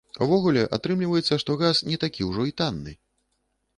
Увогуле, атрымліваецца, што газ не такі ўжо і танны.